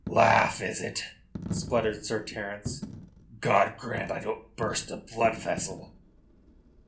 "Laugh, is it?" spluttered Sir Terence. "God grant I don't burst a blood vessel."